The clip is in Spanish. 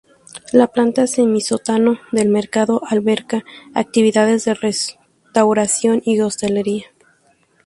La planta semisótano del mercado alberga actividades de restauración y hostelería.